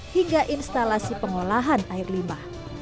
hingga instalasi pengolahan air limbah